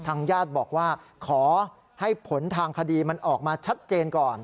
ญาติบอกว่าขอให้ผลทางคดีมันออกมาชัดเจนก่อน